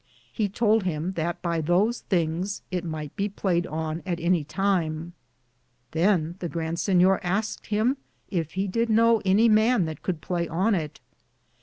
He Tould him that by those thinges it myghte be played on at any time. Than the Grande Sinyor asked him yf he did know any man that could playe on it.